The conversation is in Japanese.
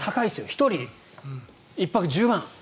１人１泊１０万。